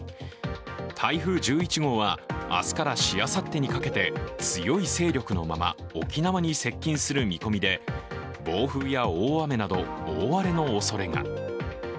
台風１１号は、明日からしあさってにかけて強い勢力のまま沖縄に接近する見込みで、暴風や大雨など大荒れのおそれが。